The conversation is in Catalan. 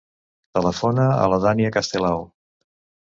Telefona a la Dània Castelao.